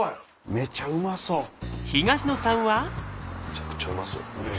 めちゃくちゃうまそう。